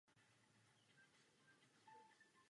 Obyvatelstvo se živí rybolovem a zemědělstvím.